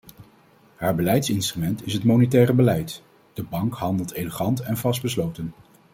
Haar beleidsinstrument is het monetaire beleid; de bank handelt elegant en vastbesloten.